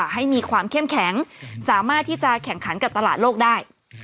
ให้มีความเข้มแข็งสามารถที่จะแข่งขันกับตลาดโลกได้